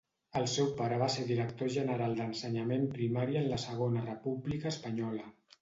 El seu pare va ser Director General d'Ensenyament Primari en la Segona República Espanyola.